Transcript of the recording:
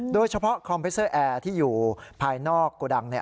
โดยเฉพาะคอมเพสเซอร์แอร์ที่อยู่ภายนอกโกดัง